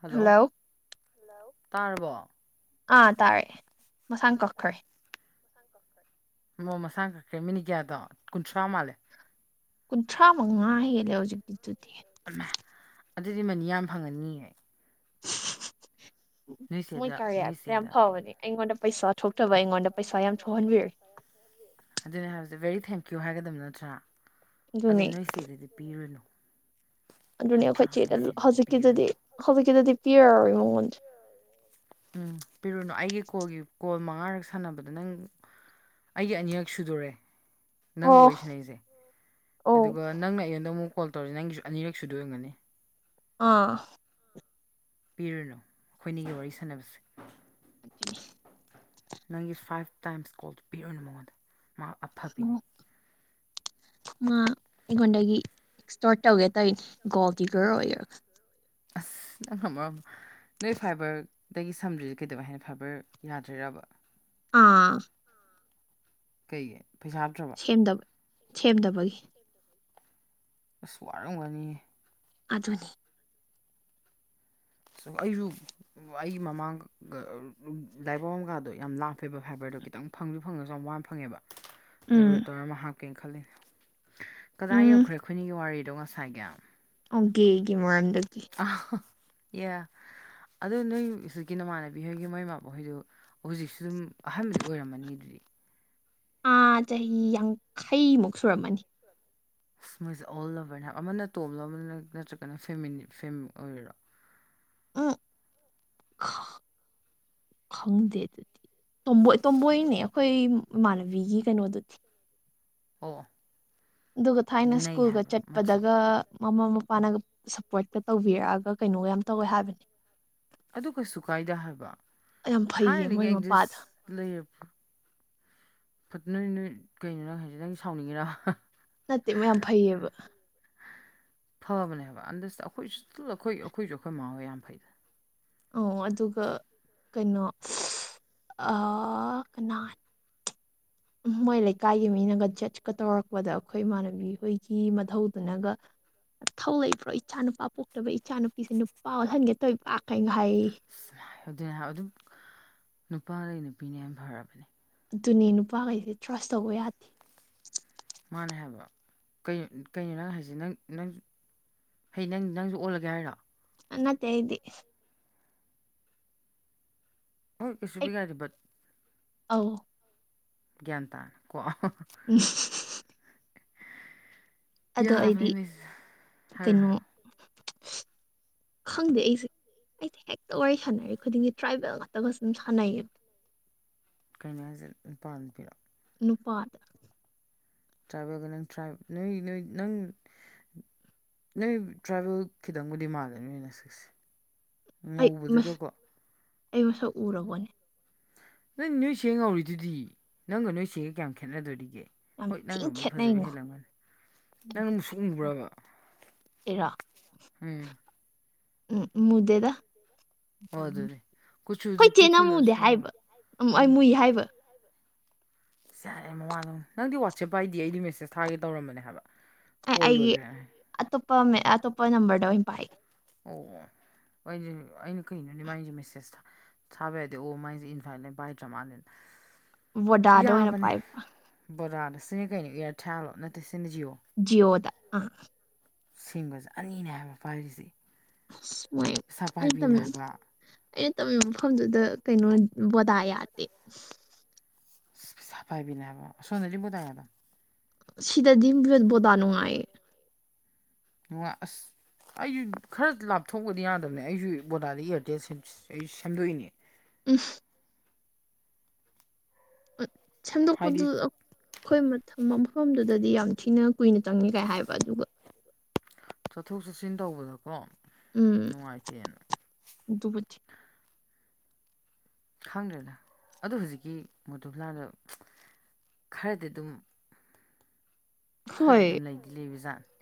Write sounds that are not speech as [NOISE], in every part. Hello ꯇꯥꯔꯕꯣ꯫ ꯑꯥ ꯇꯥꯔꯦ ꯃꯁꯥꯅ ꯀꯛꯈ꯭ꯔꯦ꯫ ꯃ ꯃꯁꯥ ꯀꯛꯈꯦ ꯃꯤꯅꯤꯠ ꯀꯌꯥꯗꯣ ꯀꯨꯟꯊ꯭ꯔꯥ ꯃꯥꯜꯂꯦ꯫ ꯀꯨꯟꯊ꯭ꯔꯥ ꯃꯉꯥ ꯍꯦꯜꯂꯦ ꯍꯧꯖꯤꯛꯇꯤꯗꯨꯗꯤ꯫ ꯑꯃ ꯑꯗꯨꯗꯤ ꯃꯅꯤ ꯌꯥꯝ ꯐꯪꯑꯅꯤꯌꯦ꯫ ꯃꯣꯏ ꯅꯣꯏꯆꯦꯗ ꯀꯥꯔꯤꯌꯥꯁꯦ ꯌꯥꯝ ꯅꯣꯏꯆꯦꯗ ꯐꯕꯅꯦ ꯑꯩꯉꯣꯟꯗ ꯄꯩꯁꯥ ꯊꯣꯛꯇꯕ ꯑꯩꯉꯣꯟꯗ ꯄꯩꯁꯥ ꯌꯥꯝ ꯊꯣꯛꯍꯟꯕꯤꯔꯦ꯫ ꯑꯗꯨꯅꯦ ꯍꯥꯏꯕꯁꯦ ꯚꯦꯔꯤ ꯊꯦꯡꯀ꯭ꯌꯨ ꯍꯥꯏꯒꯗꯕ ꯅꯠꯇ꯭ꯔꯥ ꯑꯗꯨ ꯑꯗꯨꯅꯤ ꯅꯣꯏ ꯆꯦꯗꯗꯤ ꯄꯤꯔꯨꯅꯨꯟ꯫ ꯑꯗꯨꯅꯦ ꯑꯩꯈꯣꯏ ꯆꯦꯗ ꯄꯤꯔꯨꯅꯨ ꯍꯧꯖꯤꯛꯀꯤꯗꯗꯤ ꯍꯧꯖꯤꯛꯀꯤꯗꯗꯤ ꯄꯤꯔꯔꯣꯏ ꯃꯉꯣꯟ꯫ ꯎꯝ ꯄꯤꯔꯨꯅꯨ ꯑꯩꯒꯤ ꯀꯣꯜꯒꯤ ꯀꯣꯜ ꯃꯉꯥꯔꯛ ꯁꯥꯟꯅꯕꯗ ꯅꯪ ꯑꯩꯒꯤ ꯑꯅꯤꯔꯛ ꯁꯨꯗꯣꯔꯦ꯫ ꯅꯪꯒ ꯑꯣ ꯋꯥꯔꯤ ꯁꯥꯟꯅꯔꯤꯁꯦ ꯑꯣ ꯑꯗꯨꯒ ꯅꯪꯅ ꯑꯩꯉꯣꯟꯗ ꯑꯃꯨꯛ ꯀꯣꯜ ꯇꯧꯔꯁꯦ ꯅꯪꯒꯤꯁꯨ ꯑꯅꯤꯔꯛ ꯁꯨꯗꫭ ꯑꯣꯏꯔꯝꯒꯅꯤ꯫ ꯑꯥ꯫ ꯄꯤꯔꯨꯅꯨ ꯑꯩꯈꯣꯏꯅꯤꯒꯤ ꯋꯥꯔꯤ ꯁꯥꯟꯅꯕꯁꯦ꯫ [INAUDIBLE] ꯅꯪꯒꯤ ꯐꯥꯏꯚ ꯇꯥꯏꯝꯁ ꯀꯣꯜꯗꯨ ꯄꯤꯔꯨꯅꯨ ꯃꯉꯣꯟꯗ ꯃꯍꯥꯛ ꯑꯐꯕꯤꯅꯤ꯫ ꯃꯥ ꯑꯩꯉꯣꯟꯗꯒꯤ ꯑꯦꯛꯁꯇꫭꯔꯠ ꯇꯧꯒꯦ ꯇꯧꯅꯤ ꯒꯣꯜ ꯗꯤꯒꯔ ꯑꯣꯏꯔꯒ꯫ ꯑꯁ ꯅꯪꯅ ꯃꯔꯣꯝ ꯃ ꯅꯣꯏ ꯐꯥꯏꯕꯔ ꯗꯒꯤ ꯁꯝꯗ꯭ꯔꯤꯁꯦ ꯀꯩꯗꯧ ꯍꯥꯏꯅ ꯐꯥꯏꯕꯔ ꯌꯥꯗ꯭ꯔꯤꯔꯥꯕ꯫ ꯑꯥ꯫ ꯀꯩꯒꯤ ꯄꯩꯁꯥ ꯍꯥꯞꯇ꯭ꯔꯕꯣ ꯁꯦꯝꯗꯕ ꯁꯦꯝꯗꯕꯒꯤ ꯑꯁ ꯋꯥꯔꯝꯒꯅꯤ ꯑꯗꯨꯅꯤ ꯑꯩꯁꯨ ꯑꯩꯒꯤ ꯃꯃꯥꯡꯒ [UNINTELLIGIBLE] ꯀꯥꯗꯣ ꯌꯥꯝ ꯂꯥꯞꯄꯦꯕ ꯐꯥꯏꯕꯔꯗꯣ ꯈꯤꯇꯪ ꯐꯪꯁꯨ ꯐꯪꯉꯁꯨ ꯌꯥꯝ ꯋꯥꯅ ꯐꯪꯉꯦꯕ ꯑꯗꯨ ꯎꯝ ꯔꯨꯇꯔ ꯑꯃ ꯍꯥꯞꯀꯦꯅ ꯈꯜꯂꯤ ꯀꯗꯥꯏ ꯎꯝ ꯌꯧꯈ꯭ꯔꯦ ꯑꯩꯈꯣꯏꯅꯤꯒꯤ ꯋꯥꯔꯤꯗꯣ ꯉꯁꯥꯏꯒꯤ꯫ ꯑꯣꯒꯦꯒꯤ ꯃꯥꯟꯗꯒꯤ꯫ ꯑ ꯑꯦ ꯑꯗꯨ ꯅꯣꯏ ꯍꯧꯖꯤꯛꯀꯤ ꯅꯃꯥꯟꯅꯕꯤ ꯍꯣꯏꯒꯤ ꯃꯣꯏ ꯏꯃꯥꯕ ꯍꯣꯏꯗꯨ ꯍꯨꯖꯤꯛꯁꯨ ꯑꯗꯨꯝ ꯑꯍꯥꯟꯕꯗꯤ ꯑꯣꯏꯔꯝꯃꯅꯤ ꯑꯗꯨꯗꯤ꯫ ꯑꯥꯥ ꯆꯍꯤ ꯌꯥꯡꯈꯩꯃꯨꯛ ꯁꯨꯔꯝꯃꯅꯤ꯫ ꯑꯁ ꯃꯣꯏꯁꯦ ꯑꯣꯜ ꯂꯕꯔꯅꯦ ꯍꯥꯏ ꯑꯃꯅ ꯇꯣꯝꯂꯣ ꯑꯃꯅ ꯅꯠꯇ꯭ꯔꯒꯅ ꯐꯦꯃꯤꯂꯤ ꯐꯦꯝ ꯑꯣꯏꯔꯤꯔꯣ꯫ ꯑ ꯈ ꯈꯪꯗꯦ ꯑꯗꯨꯗꯤ ꯇꯣꯝꯕꯣꯏ ꯇꯣꯝꯕꯣꯏꯅꯦ ꯑꯩꯈꯣꯏ ꯏꯃꯥꯟꯅꯕꯤꯒꯤ ꯀꯩꯅꯣꯗꯨꯗꯤ ꯑꯣ ꯑꯣ ꯑꯗꯨꯒ ꯊꯥꯏꯅ ꯁ꯭ꯀꯨꯜꯒ ꯆꯠꯄꯗꯒ ꯃꯃꯥ ꯃꯄꯥꯅ ꯒ ꯁꯞꯄꯣꯔꯀꯥ ꯇꯧꯕꯤꯔꯛꯑꯒ ꯀꯩꯅꯣꯒ ꯌꯥꯝ ꯇꯧꯋꯦ ꯍꯥꯏꯕꯅꯦ ꯑꯗꯨ ꯀꯩꯁꯨ ꯀꯥꯏꯗ ꯍꯥꯏꯕ ꯌꯥꯝ ꯐꯩꯌꯦ ꯊꯥꯏꯅꯗꯒꯤ ꯃꯣꯏ ꯃꯄꯥꯗꯣ ꯑꯦꯒꯖꯤꯁ ꯂꯩꯔꯕ ꯐꯠꯇ ꯅꯣꯏ ꯀꯩꯅꯣ ꯅꯪ ꯍꯥꯏꯁꯦ ꯅꯪ ꯁꯥꯎꯅꯤꯡꯉꯦꯔ ꯅꯠꯇꯦ ꯃꯣꯏ ꯌꯥꯝ ꯐꯩꯌꯦꯕ ꯐꯕꯅꯦ ꯍꯥꯏꯕ ꯑꯟꯗꯁ ꯑꯩꯈꯣꯏꯁꯨ ꯁꯤꯇꯜ ꯑꯩꯈꯣꯏ ꯑꯩꯈꯣꯏꯁꯨ ꯑꯩꯈꯣꯏ ꯃꯥꯥꯍꯣꯏ ꯌꯥꯝ ꯐꯩꯗ ꯑꯣ ꯑꯗꯨꯒ ꯀꯩꯅꯣ ꯑꯥ ꯀꯅꯥ ꯃꯣꯏ ꯂꯩꯀꯥꯏꯒꯤ ꯃꯤꯅꯒ ꯖꯠꯁꯀ ꯇꯧꯔꯛꯄꯗ ꯑꯩꯈꯣꯏ ꯏꯃꯥꯟꯅꯕꯤ ꯍꯣꯏꯒꯤ ꯃꯙꯧꯗꯨꯅꯒ ꯅꯊꯧ ꯂꯩꯕ꯭ꯔꯣ ꯏꯆꯥ ꯅꯨꯄꯥ ꯄꯣꯛꯇꯕ ꯏꯆꯥ ꯅꯨꯄꯤꯁꯦ ꯅꯨꯄꯥ ꯑꯣꯜꯍꯟꯒꯦ ꯇꯧꯏꯕ ꯀ ꯍꯥꯏꯌꯦꯌꯦ ꯑꯗꯨꯅꯦ ꯍꯥꯏꯕ ꯑꯗꯨꯝ ꯅꯨꯄꯥꯗꯩ ꯅꯨꯄꯤꯅ ꯌꯥꯝ ꯐꯔꯕꯅꯦ ꯑꯗꯨꯅꯦ ꯅꯨꯄꯥꯈꯩꯁꯦ ꯇ꯭ꯔꯁ ꯇꯧꯕ ꯌꯥꯗꯦ ꯃꯥꯅꯦ ꯍꯥꯏꯕ ꯀꯩꯅꯣ ꯀꯩꯅꯣ ꯅꯪ ꯍꯥꯏꯁꯦ ꯅꯪ ꯅꯪ ꯍꯩ ꯅꯪ ꯅꯪꯁꯨ ꯑꯣꯜꯂꯒꯦ ꯍꯥꯏꯔꯣ ꯑꯥ ꯅꯥꯠꯇꯦ ꯍꯥꯏꯗꯤ ꯑꯣ ꯑꯩ ꯀꯩꯁꯨꯕꯨꯗꯤ ꯀꯥꯏꯗꯦ ꯕꯠ ꯑꯧ ꯒ꯭ꯌꯥꯟ ꯇꯥꯔꯦ ꯀꯣ [UNINTELLIGIBLE] ꯑꯗꯣ ꯌꯥꯕꯅꯦ ꯑꯩꯗꯤ ꯃꯤꯁ ꯍꯥꯏꯔꯣ ꯀꯩꯅꯣ ꯍꯥꯏꯔꯣ ꯈꯪꯗꯦ ꯑꯩꯁꯦ ꯑꯩꯗꯤ ꯍꯦꯛꯇ ꯋꯥꯔꯤ ꯁꯥꯟꯅꯔꯤ ꯈꯨꯗꯤꯡꯒꯤ ꯇ꯭ꯔꯥꯏꯕꯦꯜ ꯉꯥꯛꯇꯒ ꯁꯨꯝ ꯁꯥꯟꯅꯩꯌꯦꯕ ꯀꯩꯅꯣ ꯍꯥꯏꯁꯦ ꯅꯨꯄꯥꯔꯣ ꯅꯨꯄꯤꯔꯣ ꯅꯨꯄꯥꯗ ꯇ꯭ꯔꯥꯏꯕꯦꯜꯒ ꯅꯪ ꯇ꯭ꯔꯥꯏꯕ ꯅꯣꯏ ꯅꯣꯏ ꯅꯪ ꯅꯣꯏ ꯇ꯭ꯔꯥꯏꯕꯦꯜ ꯈꯤꯇꯪꯕꯨꯗꯤ ꯃꯥꯜꯂꯦ ꯅꯣꯏ ꯅꯥꯁꯛꯁꯦ ꯑꯩꯠ [UNINTELLIGIBLE] ꯑꯩ ꯃꯁꯛ ꯎꯔꯕꯣꯅꯦ ꯅꯣꯏ ꯅꯣꯏ ꯆꯦ ꯉꯧꯔꯤꯗꯨꯗꯤ ꯅꯪꯒ ꯅꯣꯏ ꯆꯦꯒꯥ ꯀꯌꯥꯝ ꯈꯦꯠꯅꯗꯣꯔꯤꯒꯦ ꯌꯥꯝ ꯍꯣꯏ ꯊꯤꯅ ꯅꯪꯅꯕꯨꯗꯤ ꯐꯖꯕ ꯈꯦꯠꯅꯩꯉꯣ ꯍꯦꯜꯂꯝꯒꯅꯤ ꯅꯪꯗꯤ ꯃꯨꯁꯨꯛ ꯃꯨꯕ꯭ꯔꯕꯥ ꯑꯩꯔꯣ ꯍꯝ ꯎꯝ ꯃꯨꯗꯦꯗ ꯍꯣꯏ ꯑꯗꯨꯅꯤ ꯈꯣꯏ ꯀꯨꯆꯨꯗꯨ ꯆꯦꯅ ꯃꯨꯗꯦ ꯀꯨꯆꯨꯅꯁꯨ ꯍꯥꯏꯕ ꯉꯝꯒꯅꯤ. ꯎꯝ ꯑꯩ ꯃꯨꯏ ꯍꯥꯏꯕ ꯌꯥꯔꯦ ꯃꯋꯥ ꯂꯧꯅꯨ ꯅꯪꯗꯤ ꯋꯥꯆꯦꯞ ꯄꯥꯏꯗꯤꯌꯦ ꯑꯩꯗꯤ ꯃꯦꯁꯦꯁ ꯊꯥꯒꯦ ꯇꯧꯔꯝꯕꯅꯦ ꯍꯥꯏꯕ ꯀꯣꯜ ꯂꯣꯏꯒ꯭ꯔꯦ ꯑꯇꯣꯞꯄꯃꯦ ꯑꯇꯣꯞꯄ ꯅꯝꯕꯔꯗ ꯑꯣꯏꯅ ꯄꯥꯏ ꯑꯣꯑꯣ ꯑꯩꯗꯤ ꯑꯩꯅ ꯀꯩꯅꯣꯅꯦ ꯃꯥꯥꯏꯖꯤ ꯃꯦꯁꯦꯖ ꯊꯥ ꯊꯥꯕ ꯌꯥꯗꯦ ꯑꯣ ꯃꯥꯏꯁꯦ ꯏꯟꯐꯥꯏꯜꯅꯦꯜ ꯄꯥꯏꯗ꯭ꯔ ꯃꯥꯥꯜꯂꯦ ꯕꯣꯗꯥꯗ ꯑꯣꯏꯅ ꯌꯥꯕꯅꯦ ꯄꯥꯏꯕ ꯚꯣꯗꯥꯗ ꯁꯤꯅꯤ ꯀꯩꯅꯣ ꯏꯌꯥꯔꯊꯦꯜꯂꯣ ꯅꯠꯇꯦ ꯁꯤꯅ ꯖꯤꯑꯣ ꯖꯤꯌꯣꯗ ꯑꯥ ꯁꯤꯝꯒꯖꯦ ꯑꯅꯤꯅꯦ ꯍꯥꯏꯕ ꯄꯥꯏꯔꯤꯖꯤ ꯑꯁ ꯃꯣꯢ ꯑꯩꯇꯝ ꯍꯥꯏꯕ ꯑꯩꯅ ꯇꯝꯃꯤꯕ ꯃꯐꯝꯗꯨꯗ ꯀꯩꯅꯣ ꯕꯣꯗꯥ ꯌꯥꯗꯦ ꯐꯥꯏꯕꯤꯅꯦ ꯍꯥꯏꯕ ꯑꯁꯣꯝꯗꯗꯤ ꯕꯣꯗꯥ [UNINTELLIGIBLE] ꯁꯤꯗꯗꯤ [UNINTELLIGIBLE] ꯕꯣꯗꯥꯥ ꯅꯨꯡꯉꯥꯏ [UNINTELLIGIBLE] ꯅꯨꯡꯉꯥꯏ ꯑꯁ ꯑꯩꯁꯨ ꯈꯔ ꯂꯥꯞꯊꯣꯛꯄꯗꯤ ꯌꯥꯗꯕꯅꯦ ꯑꯩꯁꯨ ꯕꯣꯗꯥꯗꯒꯤ ꯏꯌꯥꯔꯇꯦꯜ ꯁꯦꯝ ꯁꯦꯝꯗꯣꯛꯏꯅꯦ [UNINTELLIGIBLE] [UNINTELLIGIBLE] ꯍꯥꯏꯗꯤ ꯁꯦꯝꯗꯣꯛꯄꯗꯨ [UNINTELLIGIBLE] ꯑꯩꯈꯣꯏ ꯃꯊꯝ ꯃꯐꯝꯗꯨꯗꯗꯤ ꯌꯥꯝ ꯊꯤꯅ ꯀꯨꯏꯅ ꯇꯪꯉꯤꯒꯥꯏ ꯍꯥꯏꯕ ꯑꯗꯨꯒ ꯆꯠꯊꯣꯛ ꯆꯠꯁꯤꯟ ꯇꯧꯕꯗ ꯀꯣ ꯎꯝ ꯑꯗꯨꯕꯨꯗꯤ ꯈꯪꯗ꯭ꯔꯦꯗ ꯑꯗꯣ ꯍꯨꯖꯤꯛꯀꯤ ꯃꯣꯙꯨꯕ꯭ꯂꯥꯗꯣ ꯈꯔꯗꯤ ꯑꯗꯨꯝ ꯈꯔꯗꯤ ꯑꯗꯨꯝ ꯂꯩꯗꯤ ꯂꯩꯕ ꯖꯥꯠ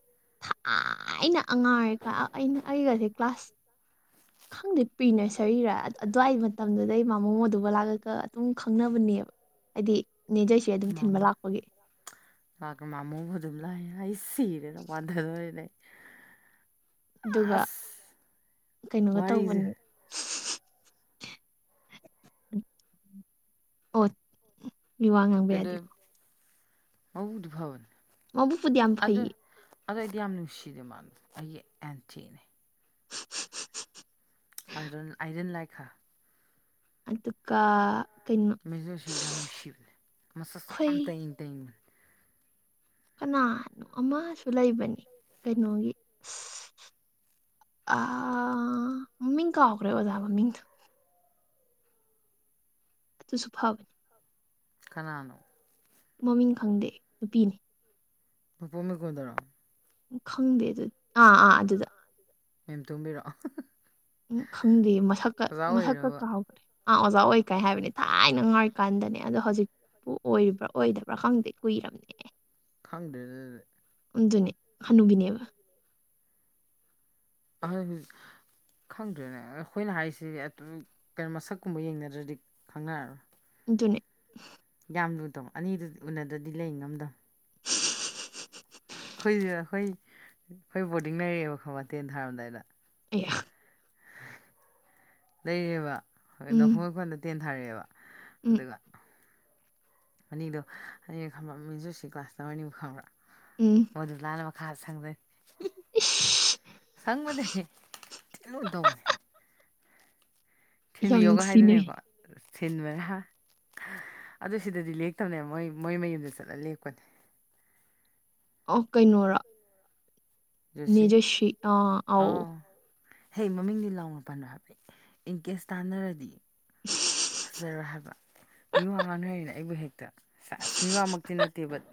ꯊꯥꯏꯅ ꯑꯉꯥꯡ ꯑꯣꯢꯔꯤꯀꯟ ꯑꯩꯅ ꯑꯩꯒꯖꯦ ꯀ꯭ꯂꯥꯁ [INAUDIBLE] ꯈꯪꯗꯦ ꯄꯤ ꯅ꯭ꯔꯁꯔꯤꯔ ꯑꯗꯨꯋꯥꯏ ꯃꯇꯝꯗꯨꯗꯩ ꯃꯥꯝꯃꯣ ꯃꯣꯙꯨꯕꯂꯥꯒ ꯑꯗꯨꯝ ꯈꯪꯅꯕꯅꯦꯕ ꯍꯥꯏꯗꯤ ꯅꯦ ꯖꯣꯏꯁ꯭ꯔꯤ ꯑꯗꯨꯝ ꯊꯤꯟꯕ ꯂꯥꯛꯄꯒꯤ ꯑꯀ ꯃꯃꯣ ꯃꯣꯗꯨꯕ꯭ꯂꯥꯌꯦ ꯑꯩ ꯁꯤꯔꯦꯗ ꯋꯥꯟꯗꯗꯣꯔꯦꯗ ꯑꯩ ꯑꯗꯨꯒ ꯑꯑꯁ ꯀꯩꯅꯣꯒ ꯋꯥꯔꯤꯖꯦ ꯇꯧꯕꯅꯦ ꯑꯣꯠ ꯀꯩꯗ꯭ꯋꯦꯞ ꯃꯕꯨꯡꯗꯨ ꯐꯕꯅꯦ ꯃꯕꯨꯨꯛꯄꯨꯗꯤ ꯌꯥꯝ ꯑꯗꯣ ꯐꯩꯌꯦ ꯑꯗꯣ ꯑꯩꯗꯤ ꯌꯥꯝ ꯅꯨꯡꯁꯤꯗꯦ ꯃꯥꯗꯣ ꯑꯩꯒꯤ ꯑꯦꯟꯇꯤꯅꯦ ꯑꯥꯢ ꯗꯣꯟ ꯑꯥꯢ ꯗꯤꯡ ꯂꯥꯏꯛ ꯍꯥꯔ ꯑꯗꯨꯀ ꯃꯤꯁ ꯖꯣꯢꯁ꯭ꯔꯤꯖ ꯌꯥꯝ ꯅꯨꯡꯁꯤꯕꯅꯦ ꯃꯁꯛꯁꯨ ꯌꯥꯝ ꯑꯩꯈꯣꯏ ꯇꯢꯪ ꯇꯏꯪꯅ ꯀꯅꯥꯅꯣ ꯑꯃꯁꯨ ꯂꯩꯕꯅꯤ ꯀꯩꯅꯣꯒꯤ [UNINTELLIGIBLE] ꯑꯥꯑꯥꯑꯥꯑꯥ ꯃꯃꯤꯡ ꯀꯥꯎꯈꯔꯦ ꯑꯣꯖꯥ ꯃꯃꯤꯡꯗꯣ ꯑꯗꯨꯁꯨ ꯐꯕꯅꯤ ꯀꯅꯥꯅꯣ ꯃꯃꯤꯡ ꯈꯪꯗꯦ ꯅꯨꯄꯤꯅꯤ ꯄꯨꯄꯨ ꯃꯤꯒꯣꯟꯗꯔꯣ ꯈꯪꯗꯦ ꯑꯗꯨꯗꯤ ꯑꯥ ꯑꯥ ꯑꯗꯨꯗ ꯃꯦꯝꯇꯨꯝꯕꯤꯔꯣ ꯑꯍꯍ ꯎꯡ ꯈꯪꯗꯤꯌꯦ ꯃꯁꯛꯀ ꯃꯁꯛꯀ ꯑꯣꯏꯔꯕ ꯀꯥꯎꯒꯔꯦ ꯑꯥ ꯑꯣꯖꯥ ꯑꯣꯏ ꯀꯥꯏ ꯍꯥꯏꯕꯅꯦ ꯊꯥꯏꯅ ꯑꯉꯥꯡ ꯑꯣꯏꯔꯤꯀꯥꯟꯗꯅꯦ ꯑꯗꯣ ꯍꯧꯖꯤꯛ ꯑꯣ ꯑꯣꯏꯔꯤꯕ꯭ꯔꯥ ꯑꯣꯏꯗꯕ꯭ꯔꯥ ꯈꯪꯗꯦ ꯀꯨꯏꯔꯅꯦꯍꯦ ꯈꯪꯗ꯭ꯔꯦꯗ ꯗꯨꯗꯤ ꯑꯗꯨꯅꯦ ꯍꯅꯨꯕꯤꯅꯦꯕ [UNINTELLIGIBLE] ꯈꯪꯗ꯭ꯔꯦꯅꯦ ꯑ ꯑꯩꯈꯣꯏꯅ ꯍꯥꯏꯔꯤꯁꯤꯗꯤ ꯑꯗꯨꯝ ꯀꯩꯅꯣ ꯃꯁꯛꯀꯨꯝꯕ ꯌꯦꯡꯅꯗ꯭ꯔꯗꯤ ꯈꯪꯅꯔꯔꯣꯏ ꯑꯗꯨꯅꯦ ꯌꯥꯝ ꯂꯨꯊꯧ ꯑꯅꯤꯗꯨ ꯎꯅꯗ꯭ꯔꯗꯤ ꯂꯩ ꯉꯝꯗꯝ ꯑꯩꯈꯣꯏꯁꯤꯗ ꯑꯩꯈꯣꯏ ꯑꯩꯈꯣꯏ ꯕꯣꯔꯗꯤꯡ ꯂꯩꯔꯛꯑꯦꯕ ꯈꯪꯕꯔ ꯇꯦꯟ ꯊꯥꯔꯝꯗꯥꯏꯗ꯫ ꯑꯦ꯫ ꯂꯩꯔꯦꯕ ꯎꯝ ꯅꯐꯣꯡ ꯑꯩꯈꯣꯟꯗ ꯇꯦꯟ ꯊꯥꯔꯛꯑꯦꯕ ꯎꯝ ꯑꯗꯨꯒ꯫ ꯑꯅꯤꯗꯣ ꯑꯅꯤ ꯈꯪꯕ꯭ꯔ ꯃꯤꯁ ꯖꯣꯏꯁ꯭ꯔꯤ ꯀ꯭ꯂꯥꯁ ꯆꯪꯉꯛꯑꯅꯤꯕ ꯈꯪꯕ꯭ꯔꯥ꯫ ꯎꯝ꯫ ꯃꯗꯨ ꯂꯥꯅ ꯃꯈꯥꯗ ꯁꯪꯗꯣꯏ꯫ ꯏꯁ ꯁꯪꯕꯅꯦ ꯊꯤꯟ ꯂꯨꯟ ꯇꯧꯕꯅꯤ꯫ ꯌꯥꯝ ꯊꯤꯕꯤꯌꯣꯒ ꯅꯨꯡꯁꯤꯅꯩ ꯍꯥꯏꯗꯣꯏꯅꯦꯀꯣ꯫ ꯊꯤꯟꯕꯅꯦ ꯑꯗꯨ ꯁꯤꯗꯗꯤ ꯂꯦꯛꯇꯕꯅꯦ ꯃꯣꯏ ꯃꯣꯏ ꯃꯌꯨꯝꯗ ꯆꯠꯂ ꯂꯦꯛꯄꯟ꯫ ꯑꯣ ꯀꯩꯅꯣꯔꯥ ꯅꯦ ꯖꯣꯁꯤ ꯖꯣꯏꯁ꯭ꯔꯤ ꯑ ꯑꯥꯎ ꯑꯧ ꯍꯦ ꯃꯃꯤꯡꯗꯤ ꯂꯥꯎꯅ ꯄꯟꯅꯣ ꯍꯥꯏꯕꯅꯦ ꯏꯟꯀꯦꯁ ꯇꯥꯟꯅꯔꯗꯤ ꯐꯖꯔꯣꯏ ꯍꯥꯏꯕ ꯃꯤꯋꯥ ꯉꯥꯡꯅꯔꯤꯅ ꯑꯩꯕꯨ ꯍꯦꯛꯇ ꯁꯦꯁ ꯃꯤꯋꯥꯃꯛꯇꯤ ꯅꯠꯇꯦ ꯕꯠ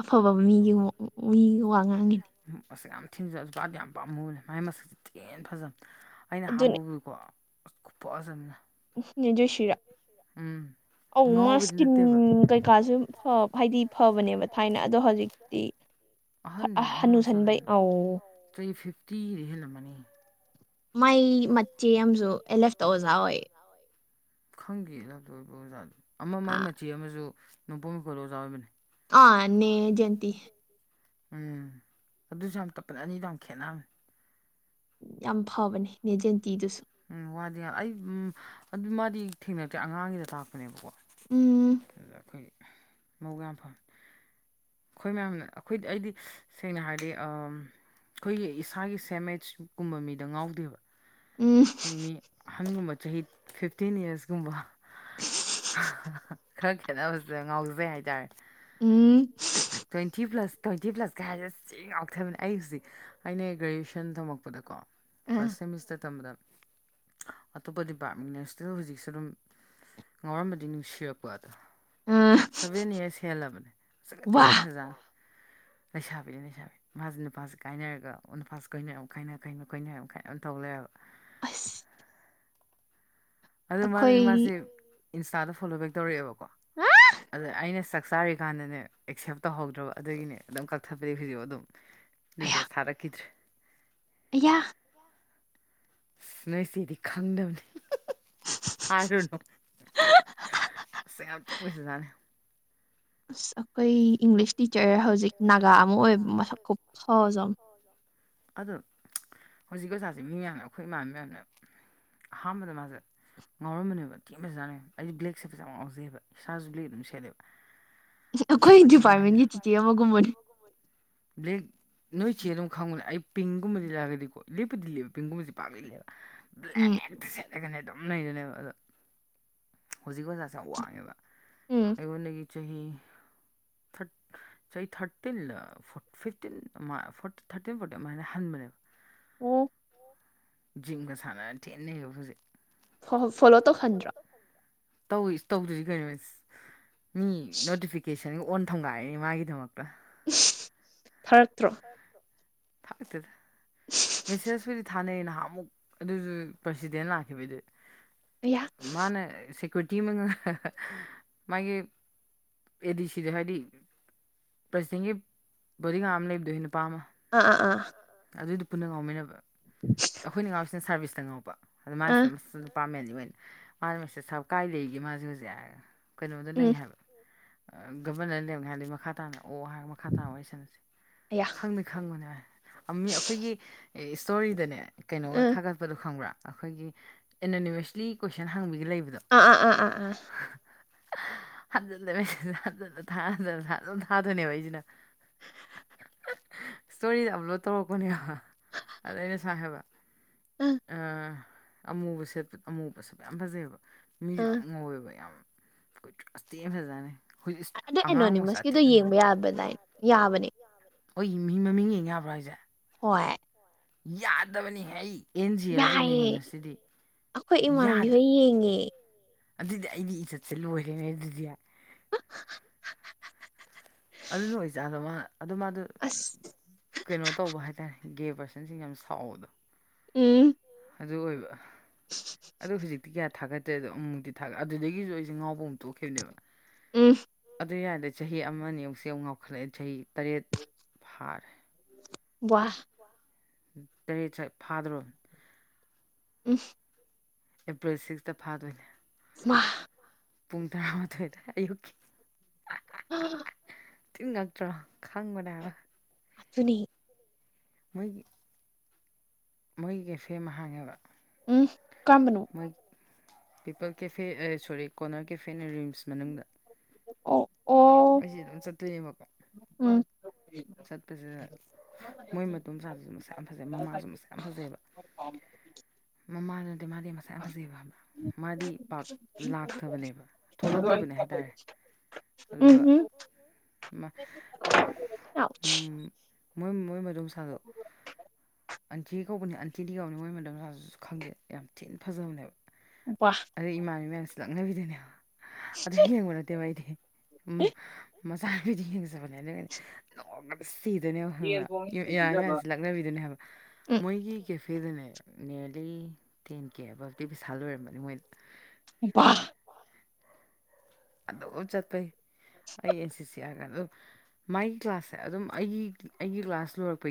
ꯑꯐꯕ ꯃꯤꯒꯤ ꯋ ꯃꯤꯒꯤ ꯋꯥ ꯉꯥꯡꯉꯤꯅꯤ ꯃꯁꯛ ꯌꯥꯝ ꯊꯤꯟꯖꯜꯂꯦ ꯄꯥꯝꯗꯤ ꯌꯥꯝ ꯄꯥꯝꯃꯨꯔꯦ ꯃꯥꯏ ꯃꯁꯛꯁꯦ ꯊꯤꯅ ꯐꯖꯕꯅꯦ ꯑꯩꯅ ꯑꯍꯟꯕ ꯑꯗꯨꯅꯦ ꯎꯕ ꯀꯣ ꯑꯁ ꯈꯨꯐꯖ ꯑꯝꯅꯦ ꯎꯝ ꯅꯦ ꯖꯣꯏꯁ꯭ꯔꯤꯔꯥ ꯎꯝ ꯑꯧ ꯃꯥ ꯉꯥꯎꯕꯗꯤ ꯏꯁꯀꯤꯝ ꯅꯠꯇꯦꯕ ꯀꯩꯀꯥꯁꯤ ꯐꯥ ꯍꯥꯏꯗꯤ ꯐꯕꯅꯦꯕ ꯊꯥꯏꯅ ꯑꯗꯣ ꯍꯧꯖꯤꯛ꯫ ꯗꯤ ꯍꯥ ꯍꯥꯟꯅꯨꯁꯟꯕꯩ ꯑꯧ꯫ Three fifth ꯇꯤꯗꯤ ꯍꯦꯜꯂꯝꯃꯅꯤ꯫ ꯃꯥꯏ ꯃꯆꯦ ꯑꯃꯁꯨ ꯑꯦꯜ ꯑꯦꯐꯇ ꯑꯣꯖꯥ ꯑꯣꯏꯌꯦ꯫ ꯈꯪꯗꯦ ꯑꯦꯜ ꯑꯦꯐꯇ ꯑꯣꯏꯕ ꯑꯣꯖꯥꯗꯨ ꯑꯃ ꯃꯥꯏ ꯑꯥ ꯃꯆꯤ ꯑꯃꯁꯨ꫰꫰ ꯅꯣꯡꯄꯣꯛ ꯁꯀ꯭ꯨꯜꯗ ꯑꯣꯖꯥ ꯑꯣꯏꯕꯅꯤ꯫ ꯑꯥ ꯅꯦ ꯑꯦꯖꯦꯟꯇꯤ꯫ ꯎꯝ ꯑꯗꯨꯁꯨ ꯌꯥꯝ ꯇꯞꯄꯅꯦ ꯑꯅꯤꯗꯨ ꯌꯥꯝ ꯈꯦꯠꯅꯕꯅꯦ꫰꫰ ꯌꯥꯝ ꯐꯕꯅꯦ ꯅꯦꯖꯦꯟꯇꯤꯗꯨꯁꯨ꯫ ꯎꯝ ꯋꯥꯗꯤ ꯑꯩ ꯑꯗꯨ ꯃꯥꯗꯤ ꯊꯦꯡꯅꯛꯗꯔꯦ ꯑꯉꯥꯡꯒꯤꯗ ꯇꯥꯛꯄꯅꯦꯕꯀꯣ꯫ ꯎꯝ꯫ ꯑꯗꯨꯗ ꯑꯩꯈꯣꯏꯒꯤ ꯃꯕꯨꯛ ꯌꯥꯝ ꯐꯥꯕꯅꯤ꯫ ꯑꯩꯈꯣꯏ ꯃꯌꯥꯝꯅ ꯑꯩꯈꯣꯏꯗꯤ ꯑꯩꯗꯤ ꯁꯦꯡꯅ ꯍꯥꯏꯔꯗꯤ ꯑꯝ꯫ ꯑꯩꯈꯣꯏꯒꯤ ꯏꯁꯥꯒꯤ ꯁꯦꯃꯦꯆ ꯀꯨꯝꯕ ꯃꯤꯗ ꯉꯥꯎꯗꯦꯕ꫰꫰ ꯎꯝ꯫ ꯑꯩꯈꯣꯏ ꯃꯤ ꯑꯍꯟꯒꯨꯝꯕ ꯆꯍꯤ ꯐꯤꯐꯇꯤꯟ ꯏꯌꯥꯔꯁꯀꯨꯝꯕ꯫ ꯈꯔ ꯈꯦꯠꯅꯕꯁꯤꯗ ꯉꯥꯎꯖꯩ ꯍꯥꯏꯇꯥꯔꯦ꯫ ꯏ꯫ ꯏ꯫ ꯇ꯭ꯋꯦꯟꯇꯤ ꯄ꯭ꯂꯁ ꯇ꯭ꯋꯦꯟꯇꯤ ꯄ꯭ꯂꯁꯀ ꯍꯥꯏꯔ ꯑꯁ ꯊꯤ ꯉꯥꯎꯊꯕꯅꯦ ꯑꯩ ꯍꯧꯖꯤꯛ꯫ ꯑꯩꯅ ꯒ꯭ꯔꯦꯖ꯭ꯨꯋꯦꯁꯟ ꯊꯝꯃꯛꯄꯗꯀꯣ ꯑꯥ ꯐꯥꯔꯁ ꯁꯦꯃꯤꯁꯇꯔ ꯇꯝꯕꯗ꯫ ꯑꯇꯣꯞꯄ ꯗꯤꯄꯥꯔꯠꯃꯦꯟꯅ ꯏꯁꯇꯤꯜ ꯍꯧꯖꯤꯛꯁꯨ ꯑꯗꯨꯝ ꯉꯥꯎꯔꯝꯕꯗꯤ ꯅꯨꯡꯁꯤꯔꯛꯄ ꯑꯗꯣ꯫ ꯑꯥ ꯁꯚꯦꯟ ꯏꯌꯔꯁ ꯍꯦꯜꯂꯕꯅꯦ ꯑꯁꯨꯛꯀꯤ ꯃꯇꯤꯛ ꯋꯥ ꯌꯥꯝ ꯐꯖꯕꯅꯤ ꯂꯩꯁꯥꯕꯤꯅꯤ ꯂꯩꯁꯥꯕꯤ꯫ ꯃꯥꯁꯦ ꯅꯨꯄꯥꯁꯤ ꯀꯥꯏꯅꯔꯒ ꯅꯨꯄꯥꯁꯤ ꯀꯣꯏꯅꯔ ꯑꯃꯨꯛ ꯀꯥꯏꯅꯔ ꯀꯥꯏꯅꯔꯥ ꯑꯗꯨꯝ ꯇꯧ ꯂꯩꯔꯕ꯫ ꯑꯁ꯫ ꯑꯗꯨ ꯃꯥꯅꯗꯤ ꯃꯥꯁꯤ ꯑꯩꯈꯣꯏ ꯏꯟꯁꯇꯥꯗ ꯐꯣꯂꯣ ꯕꯦꯛ ꯇꯧꯔꯛꯑꯦꯕꯀꯣ ꯑꯗ ꯑꯩꯅ ꯁꯥꯛ ꯆꯛ ꯆꯥꯔꯤꯀꯥꯟꯗꯅꯦ ꯑꯦꯛꯁꯦꯞ ꯇꯧꯍꯧꯗ꯭ꯔꯕ ꯑꯗꯨꯒꯤꯅꯦ ꯑꯗꯨꯝ ꯀꯛꯊꯠꯄꯗꯤ ꯍꯧꯖꯤꯛꯄꯣ ꯑꯗꯨꯝ꯫ ꯔꯤꯀꯣꯏꯁ ꯊꯥꯔꯛꯈꯤꯗ꯭ꯔꯦ꯫ ꯌꯥ꯫ ꯑꯁ ꯅꯣꯏꯆꯦꯗꯤ ꯈꯪꯗꯕꯅꯤ꯫ ꯍꯥꯏꯔꯨꯅꯣ ꯃꯁꯥꯛ ꯌꯥꯝ ꯊꯤꯟ ꯐꯖꯖꯥꯠꯅꯤ꯫ ꯑꯁ ꯑꯩꯈꯣꯏ ꯏꯪꯂꯤꯁ ꯇꯤꯆꯔ ꯍꯧꯖꯤꯛ ꯅꯥꯒꯥ ꯑꯃ ꯑꯣꯏꯕ ꯃꯁꯛ ꯈꯤꯐꯖ ꯑꯃ꯫ ꯑꯗꯣ ꯍꯧꯖꯤꯛꯀꯤ ꯑꯣꯖꯥꯁꯦ ꯃꯤ ꯃꯌꯥꯝꯅ ꯑꯩꯈꯣꯏ ꯏꯃꯥ ꯃꯌꯥꯝꯅ ꯑꯍꯥꯟꯕꯗ ꯃꯥꯁꯦ꯫ ꯉꯥꯎꯔꯝꯕꯅꯦꯕ ꯊꯤ ꯐꯖꯥꯅꯦꯕ ꯑꯩꯗꯤ ꯕ꯭ꯂꯦꯛꯁꯦ ꯐꯖ ꯉꯥꯎꯖꯩꯑꯕ ꯏꯁꯥꯁꯨ ꯕ꯭ꯂꯦꯛ ꯑꯗꯨꯝ ꯁꯦꯠꯂꯦꯕ ꯃꯁꯛ ꯑꯩꯈꯣꯏ ꯑꯊꯦꯟꯕ ꯍꯥꯏꯗꯅ ꯗꯤꯄꯥꯔꯠꯃꯦꯟꯒꯤ ꯆꯤꯆꯦ ꯑꯃꯒꯨꯝꯕꯅꯤ ꯕ꯭ꯂꯦꯛ ꯅꯣꯏ ꯆꯦ ꯑꯗꯨꯝ ꯈꯪꯕꯅꯦ ꯑꯩ ꯄꯤꯡꯒꯨꯝꯕꯗꯤ ꯂꯤꯠꯂꯛꯑꯒꯗꯤꯀꯣ ꯂꯤꯠꯄꯨꯗꯤ ꯂꯤꯠꯂꯦꯕ ꯄꯤꯡꯒꯨꯝꯕꯕꯁꯦ ꯄꯥꯛ ꯂꯤꯠꯂꯦ [INAUDIBLE] ꯎꯝ ꯍꯦꯛꯇ ꯁꯦꯠꯂꯒꯅꯦ [UNINTELLIGIBLE] ꯑꯗꯨꯝ ꯂꯩꯗꯨꯅꯦꯕ ꯑꯗ ꯍꯧꯖꯤꯛ ꯑꯣꯖ ꯌꯥꯝ ꯋꯥꯡꯉꯦꯕ ꯎꯝ ꯑꯩꯉꯣꯟꯗꯒꯤ ꯆꯍꯤ ꯆꯍꯤ ꯊꯥꯔ ꯐꯤꯞꯇꯤꯟꯂꯥ four fifteen four thirteen fourteen ꯑꯗꯨꯃꯥꯏꯅ ꯍꯟꯕꯅꯦꯕ꯫ ꯑꯣ꯫ ꯖꯤꯝꯒ ꯁꯥꯟꯅꯅ ꯊꯤꯟ ꯅꯩꯍꯧꯏ ꯍꯧꯖꯤꯛ꯫ ꯑꯣ ꯐꯣꯂꯣ ꯇꯧꯍꯟꯗ꯭ꯔꯣ ꯇꯧꯏ ꯏꯁ ꯇꯧꯗꯔꯗꯤ ꯀꯩꯅꯣꯅꯦ ꯃꯤ ꯅꯣꯇꯤꯐꯤꯀꯦꯁꯟ꯫ ꯁꯟ ꯑꯣꯟ ꯊꯝꯒꯥꯏꯔꯤꯅꯤ ꯃꯥꯒꯤꯗꯃꯛꯇ꯫ ꯏꯁ ꯊꯔꯛꯇ꯭ꯔꯣ꯫ ꯊꯥꯛꯔꯛꯇꯦꯗ꯫ ꯍ [UNINTELLIGIBLE] ꯃꯦꯁꯦꯁꯄꯨꯗꯤ ꯊꯥꯅꯩ ꯅꯍꯥꯟ ꯑꯃꯨꯛ ꯑꯗꯨꯁꯨ ꯄ꯭ꯔꯁꯤꯗꯦꯟ ꯂꯥꯛꯈꯤꯕꯩꯗ ꯑꯌꯥ ꯃꯥꯅꯦ ꯁꯦꯀ꯭ꯌꯨꯔꯔꯤꯇꯤ ꯃꯥꯒꯤ ꯑꯦꯗꯤ ꯁꯤꯗ ꯍꯥꯏꯗꯤ ꯄ꯭ꯔꯁꯤꯗꯦꯟꯒꯤ ꯕꯣꯗꯤꯒꯥꯠ ꯑꯃ ꯂꯩꯕꯗꯣ ꯅꯨꯄꯥ ꯑꯃ ꯑꯥ ꯑꯥ ꯑꯥ ꯑꯗꯨꯏꯗꯤ ꯄꯨꯟꯅ ꯉꯥꯎꯃꯤꯟꯅꯕ ꯑꯩꯈꯣꯏꯅ ꯉꯥꯎꯁꯤꯅ ꯁꯥꯔꯚꯤꯁꯇ ꯉꯥꯎꯕ ꯑꯗ ꯑꯥ ꯃꯥꯥꯏꯁꯤꯅ ꯄꯥꯥꯃꯦꯟꯅꯤ ꯑꯣꯏꯅ ꯃꯥꯅ ꯃꯦꯁꯦꯁ ꯊꯔꯛꯄ ꯀꯥꯏ ꯂꯩꯒꯦ ꯃꯥꯁꯦ ꯍꯧꯖꯤꯛ ꯀꯩꯅꯣꯗ ꯂꯩ ꯎꯝ ꯍꯥꯏꯕ ꯒꯕꯔꯟꯅꯔ ꯂꯦꯝꯅꯤ ꯍꯥꯏꯔꯗꯤ ꯃꯈꯥ ꯇꯥꯅ ꯑꯣ ꯍꯥꯏꯒ ꯃꯈꯥ ꯇꯥꯅ ꯋꯥꯔꯤꯁꯅꯁꯤ ꯑꯌꯥ ꯈꯪ ꯈꯪꯕꯅꯦ ꯃꯤ ꯑꯩꯈꯣꯏꯒꯤ ꯏꯁꯇꯣꯔꯤꯗꯅꯦ ꯀꯩꯅꯣꯒ ꯎꯝ ꯊꯥꯒꯠ ꯍꯥꯄꯗꯣ ꯈꯪꯕ꯭ꯔꯥ ꯑꯩꯈꯣꯏꯒꯤ ꯑꯦꯅꯣꯅꯤꯃꯁꯂꯤ ꯀꯣꯏꯁꯟ ꯍꯪꯕꯒ ꯂꯩꯕꯗꯣ ꯑꯥ ꯑꯥ ꯑꯥ ꯑꯥ ꯑꯥ ꯍꯟꯖꯤꯜꯂꯦ ꯃꯁꯤ ꯍꯟꯖꯤꯜꯂ ꯊ ꯍꯟꯖꯤꯜꯂ ꯊꯥꯖꯅ ꯊꯥꯗꯣꯏꯅꯦꯕ ꯑꯩꯁꯤꯅ ꯏꯁꯇꯣꯔꯤꯗ ꯑꯞꯂꯣꯗ ꯇꯧꯔꯛꯄꯅꯦꯕ ꯑꯗꯩꯅ ꯁꯨꯃꯥꯏꯟ ꯍꯥꯏꯕ ꯎꯝ ꯑꯃꯨꯕ ꯁꯦꯠꯄ ꯑꯃꯨꯕ ꯁꯦꯠꯄ ꯌꯥꯝ ꯐꯖꯩꯌꯦꯕ ꯃꯤꯁꯨ ꯎꯝ ꯌꯥꯝ ꯉꯧꯋꯦꯕ ꯌꯥꯝ ꯑꯁ ꯊꯤꯅ ꯐꯖꯥꯖꯥꯠꯅꯤ ꯍꯧꯖꯤꯛ ꯑꯗꯣ ꯑꯉꯥꯡ ꯃꯁꯆꯥ ꯑꯦꯅꯣꯅꯤꯃꯁꯀꯤꯗꯣ ꯊꯦꯠꯅꯔꯦ ꯌꯦꯡꯕ ꯌꯥꯕꯗꯥꯏ ꯌꯥꯕꯅꯦ [UNINTELLIGIBLE] ꯍꯣꯏ ꯃꯤ ꯃꯃꯤꯡ ꯌꯦꯡꯌꯕ꯭ꯔꯣ ꯍꯥꯏꯁꯦ ꯍꯣꯏ ꯌꯥꯗꯕꯅꯤ ꯍꯦ ꯑꯦꯟ ꯖꯤ ꯑꯦꯜꯒꯤ ꯌꯥꯏꯌꯦ ꯑꯦꯅꯤꯅꯤꯃꯁꯁꯤꯗꯤ ꯑꯩꯈꯣꯏ [UNINTELLIGIBLE] ꯏꯃꯥꯟꯅꯕꯤ ꯌꯥꯗ ꯍꯣꯏ ꯌꯦꯡꯉꯦ ꯑꯗꯨꯗꯤ ꯑꯩꯒꯤ ꯏꯖꯠꯁꯦ ꯂꯣꯏꯔꯦꯅꯦ ꯑꯗꯨꯗꯤ ꯑꯗꯨꯅ ꯑꯣꯏꯖꯥꯠꯂꯣ ꯃꯥ ꯑꯗꯨ ꯃꯥꯗꯣ ꯑꯁ ꯀꯩꯅꯣ ꯇꯧꯕ ꯍꯥꯏꯇꯥꯔꯦ ꯒꯦ ꯄꯥꯔꯁꯟꯁꯤꯡ ꯌꯥꯝꯅ ꯁꯥꯎꯕꯗꯣ ꯎꯝ ꯑꯗꯨ ꯑꯣꯏꯕ ꯑꯗꯨ ꯍꯧꯖꯤꯛꯇꯤ ꯀꯌꯥ ꯊꯥꯒꯠꯇ꯭ꯔꯦꯗꯣ ꯑꯃꯨꯛꯇꯤ ꯊꯥꯠ ꯑꯗꯨꯗꯒꯤꯁꯨ ꯑꯩꯁꯦ ꯉꯥꯎꯕ ꯑꯃꯨꯛ ꯇꯣꯛꯈꯤꯕꯅꯦꯕ ꯎꯝ ꯑꯗꯨ ꯌꯥꯔꯗꯤ ꯆꯍꯤ ꯑꯃꯅꯦ ꯑꯃꯨꯛꯁ ꯑꯃꯨꯛ ꯉꯥꯎꯈꯠꯂꯛꯑꯦ ꯆꯍꯤ ꯇꯔꯦꯠ ꯐꯥꯔꯦ ꯋꯥ ꯇꯔꯦꯠ ꯁ ꯐꯥꯗꯔꯣꯔꯝꯅꯤ ꯎ ꯑꯦꯄ꯭ꯔꯤꯜ ꯁꯤꯛꯁꯇ ꯐꯥꯗꯣꯏꯅꯦ ꯃꯥ ꯄꯨꯡ ꯇꯔꯥꯃꯥꯊꯣꯏꯗ ꯑꯌꯨꯛꯀꯤ ꯎꯝ ꯇꯤꯟ ꯉꯛꯇ꯭ꯔꯣ ꯈꯪꯕꯅꯦꯕ ꯁꯨꯅꯤ ꯃꯣꯏꯒꯤ ꯃꯣꯏꯒꯤ ꯀꯦꯐꯦ ꯑꯃ ꯍꯥꯡꯉꯦꯕ ꯎꯝ ꯀꯔꯝꯕꯅꯣ ꯃꯣꯏ ꯄꯤꯄꯜ ꯀꯦꯐꯦ ꯁꯣꯔꯤ ꯀꯣꯅꯔ ꯀꯦꯐꯦꯅ ꯔꯤꯝꯁ ꯃꯅꯨꯡꯗ ꯑꯣ ꯑꯣ ꯑꯩꯁꯦ ꯑꯗꯨꯝ ꯆꯠꯇꯣꯏꯅꯦꯕꯀꯣ ꯎꯝ ꯆꯠꯄꯁꯤꯗ ꯃꯣꯏ ꯃꯗꯣꯝ ꯆꯥꯁꯦ ꯃꯁꯛ ꯌꯥꯝ ꯐꯖꯩ ꯃꯃꯥꯁꯨ ꯃꯁꯛ ꯌꯥꯝ ꯐꯖꯩꯌꯦꯕ ꯃꯃꯥꯗ ꯅꯠꯇꯦ ꯃꯥꯗꯤ ꯃꯁꯛ ꯌꯥꯝ ꯐꯖꯩꯑꯕꯕꯅ ꯃꯥꯗꯤ ꯄꯥꯛ ꯂꯥꯛꯊꯕꯅꯦꯕ ꯊꯣꯛꯂꯛꯇꯕꯅꯦ ꯍꯥꯏꯇꯥꯔꯦ ꯎꯝ ꯑꯗꯨꯒ ꯎꯝ ꯃꯥ ꯌꯥ [UNINTELLIGIBLE] ꯃꯣꯏ ꯃꯣꯏ ꯃꯗꯣꯝꯆꯥꯗꯣ ꯑꯟꯇꯤ ꯀꯧꯕꯅꯤ ꯑꯟꯇꯤꯗꯤ ꯀꯧꯅꯤ ꯃꯣꯏ ꯃ ꯂꯥꯁꯨ ꯈꯪꯗꯦ ꯌꯥꯝ ꯊꯤꯅ ꯐꯖꯕꯅꯦꯕ ꯎ ꯋꯥ ꯑꯗꯩ ꯏꯃꯥꯟꯕꯤ ꯃꯌꯥꯝꯁꯨ ꯂꯛꯅꯕꯤꯗꯅꯦ ꯑꯗꯨ ꯌꯦꯡꯕ ꯅꯠꯇꯦꯕ ꯑꯩꯗꯤ ꯎ ꯃꯆꯥꯅꯄꯤꯗꯤ ꯌꯦꯡꯖꯕꯅꯦ ꯑꯗꯨꯗꯤ ꯂꯣꯡꯒ ꯁꯤꯗꯅꯦꯕ ꯍꯪꯕ꯭ꯔꯥ ꯏꯔ ꯃꯌꯥꯝꯁꯤꯦ ꯂ ꯂꯛꯅꯕꯤꯗꯅꯦ ꯍꯥꯏꯕ ꯃꯣꯏꯒꯤ ꯀꯦꯐꯦꯗꯅꯦ ꯅꯤꯌꯔꯂꯤ ꯇꯦꯟ ꯀꯦ ꯑꯕꯞꯇꯤ ꯄꯩꯁꯥ ꯂꯣꯏꯔꯝꯕꯅꯤ ꯃꯣꯏ ꯕꯥ ꯑꯗꯣ ꯆꯠꯄꯩ ꯑꯩ ꯑꯦꯟ ꯁꯤ ꯁꯤ ꯌꯥꯀꯅꯤ ꯑꯗ ꯃꯥꯒꯤ ꯀ꯭ꯂꯥꯁꯁꯦ ꯑꯗꯨꯝ ꯑꯩꯒꯤ ꯑꯩꯒꯤ ꯀ꯭ꯂꯥꯁ ꯂꯣꯏꯔꯛꯄꯒꯤ